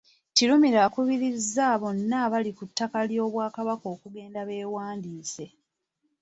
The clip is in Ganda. Kirumira akubirizza bonna abali ku ttaka ly’Obwakabaka okugenda bewandiise.